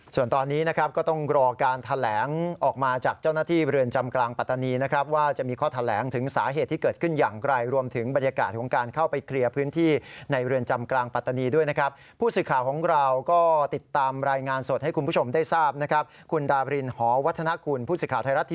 ส่วนตอนนี้นะครับก็ต้องรอการแถลงออกมาจากเจ้าหน้าที่เรือนจำกลางปัตตานีนะครับว่าจะมีข้อแถลงถึงสาเหตุที่เกิดขึ้นอย่างไกลรวมถึงบรรยากาศของการเข้าไปเคลียร์พื้นที่ในเรือนจำกลางปัตตานีด้วยนะครับผู้สื่อข่าวของเราก็ติดตามรายงานสดให้คุณผู้ชมได้ทราบนะครับคุณดาบรินหอวัฒนกุลผู้สื่อข่าวไทยรัฐทีวี